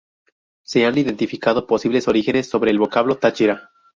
Se han identificado posibles orígenes sobre el vocablo "Táchira".